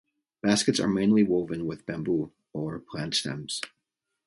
Baskets are mainly woven with bamboo or plant stems.